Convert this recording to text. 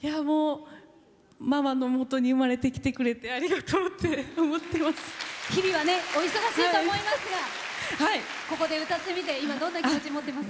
ママのもとに生まれてきてくれて日々、お忙しいと思いますがここで歌ってみて今、どんな気持ち持ってます？